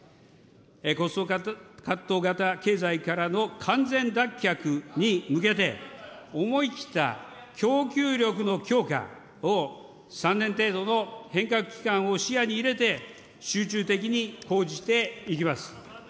コストカット型経済からの完全脱却に向けて、思い切った供給力の強化を、３年程度の変革期間を視野に入れて、集中的に講じていきます。